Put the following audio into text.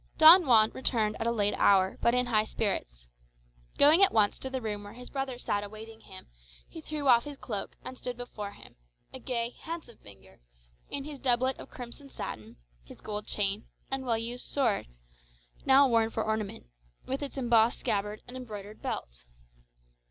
Don Juan returned at a late hour, but in high spirits. Going at once to the room where his brother sat awaiting him, he threw off his cloak, and stood before him, a gay, handsome figure, in his doublet of crimson satin, his gold chain, and well used sword, now worn for ornament, with its embossed scabbard and embroidered belt.